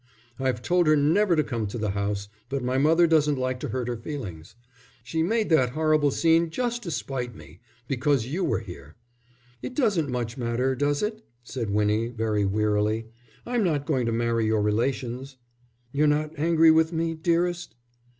I've told her never to come to the house, but my mother doesn't like to hurt her feelings. She made that horrible scene just to spite me, because you were here." "It doesn't much matter, does it?" said Winnie, very wearily. "I'm not going to marry your relations." "You're not angry with me, dearest?"